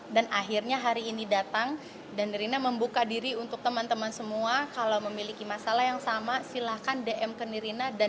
dan akhirnya hari ini datang dan nirina membuka diri untuk teman teman semua kalau memiliki masalah yang sama silahkan dm ke nirina